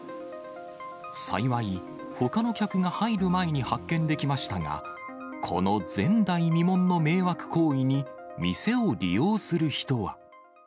幸い、ほかの客が入る前に発見できましたが、この前代未聞の迷惑行為に、店を利用する人は。